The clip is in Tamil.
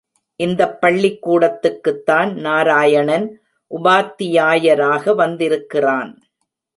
இந்தப் பள்ளிக்கூடத்துக்குத்தான் நாராயணன் உபாத்தியாயராக வந்திருக்கிறான்.